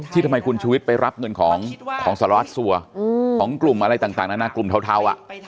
ที่ทำไมคุณชูวิทย์ไปรับเงินของศาลาสตร์ซัวร์ของกลุ่มอะไรต่างนะกลุ่มเทาอะ